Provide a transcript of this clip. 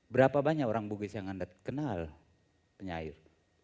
berapa banyak orang bugis yang anda kenal penyair